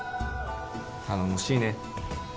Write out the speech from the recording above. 頼もしいね